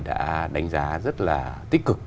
đã đánh giá rất là tích cực